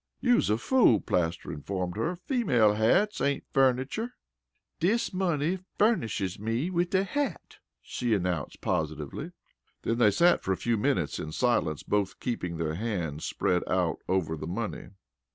"You's a fool!" Plaster informed her. "Female hats ain't furnicher." "Dis money furnishes me wid a hat," she announced positively. Then they sat for a few minutes in silence, both keeping their hands spread out over the money.